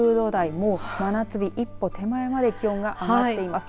もう真夏日、一方手前まで気温が上がっています。